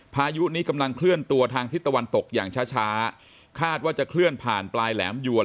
พายุนี้กำลังเคลื่อนตัวทางทิศตะวันตกอย่างช้าช้าคาดว่าจะเคลื่อนผ่านปลายแหลมยวน